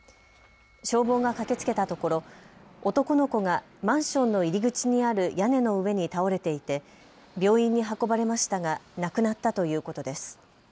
消防が駆けつけたところ男の子がマンションの入り口にある屋根の上に倒れていて病院に運ばれましたが亡くなったということです。